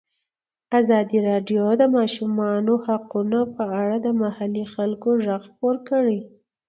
ازادي راډیو د د ماشومانو حقونه په اړه د محلي خلکو غږ خپور کړی.